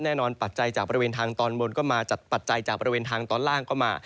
ปัจจัยจากบริเวณทางตอนบนก็มาจากปัจจัยจากบริเวณทางตอนล่างก็มา